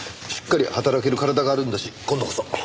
しっかり働ける体があるんだし今度こそ。